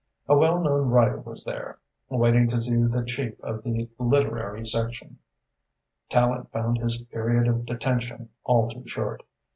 A well known writer was there, waiting to see the chief of the literary section. Tallente found his period of detention all too short.